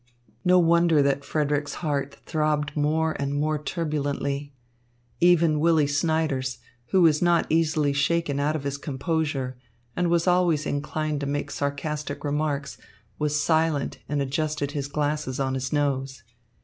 No wonder that Frederick's heart throbbed more and more turbulently. Even Willy Snyders, who was not easily shaken out of his composure and was always inclined to make sarcastic remarks, was silent and adjusted his glasses on his nose.